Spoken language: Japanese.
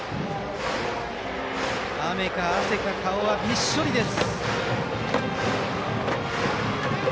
雨か汗か顔はびっしょりです。